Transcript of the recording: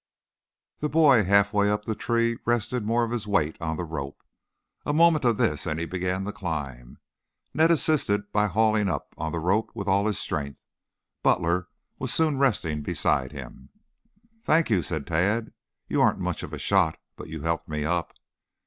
The boy half way up the tree rested more of his weight on the rope. A moment of this and he began to climb, Ned assisting by hauling up on the rope with all his strength. Butler was soon resting beside him. "Thank you," said Tad. "You aren't much of a shot, but you helped me up."